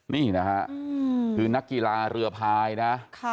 นี่นะฮะคือนักกีฬาเรือพายนะ